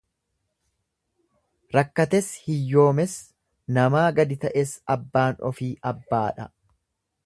Rakkates, hiyyoomes, namaa gadi ta'es abbaan ofii abbaadha.